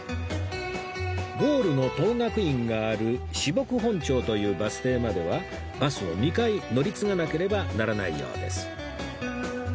ゴールの等覚院がある神木本町というバス停まではバスを２回乗り継がなければならないようです